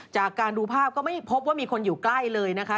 จากการดูภาพก็ไม่พบว่ามีคนอยู่ใกล้เลยนะคะ